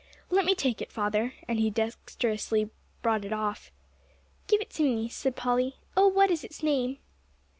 "Let me take it, father," and he dexterously brought it off. "Give it to me," said Polly. "Oh, what is its name?"